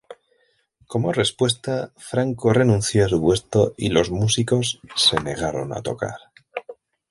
Como respuesta, Franco renunció a su puesto y los músicos se negaron a tocar.